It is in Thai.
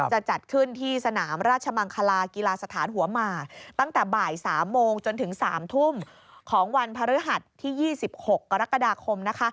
จะจัดขึ้นที่สนามราชมังคลากีฬาสถานหัวหมากตั้งแต่บ่าย๓โมงจนถึง๓ทุ่มของวันพฤหัสที่๒๖กรกฎาคมนะคะ